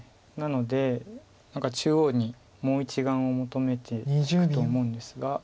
なので何か中央にもう１眼を求めていくと思うんですが。